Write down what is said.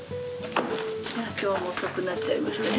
今日も遅くなっちゃいましたね。